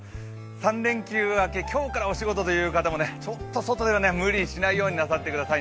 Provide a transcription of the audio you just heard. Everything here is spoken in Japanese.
３連休明け、今日からお仕事という方もちょっと外では無理しないでください。